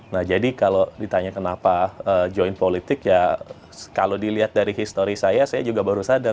nah jadi kalau ditanya kenapa join politik ya kalau dilihat dari histori saya saya juga baru sadar